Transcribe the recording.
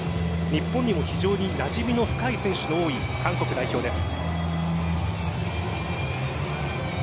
日本にも非常になじみの深い選手の多い韓国代表です。